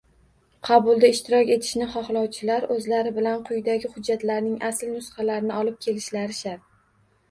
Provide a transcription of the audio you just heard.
Qabulda ishtirok etishni xohlovchilar oʻzlari bilan quyidagi hujjatlarning asl nusxalarini olib kelishlari shart.